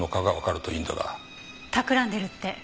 たくらんでるって？